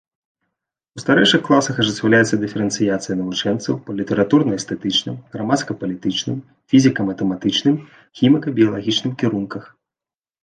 У старэйшых класах ажыццяўляецца дыферэнцыяцыя навучэнцаў па літаратурна-эстэтычным, грамадска-палітычным, фізіка-матэматычным, хіміка-біялагічным кірунках.